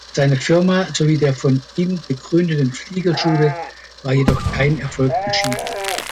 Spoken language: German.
Seiner Firma sowie der von ihm gegründeten Fliegerschule war jedoch kein Erfolg beschieden.